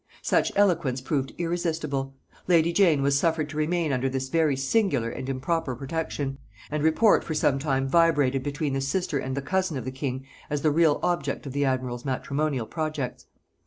Such eloquence proved irresistible: lady Jane was suffered to remain under this very singular and improper protection, and report for some time vibrated between the sister and the cousin of the king as the real object of the admiral's matrimonial projects.